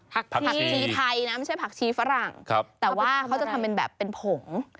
ผักผักชีไทยนะไม่ใช่ผักชีฝรั่งแต่ว่าเขาจะทำเป็นแบบเป็นผง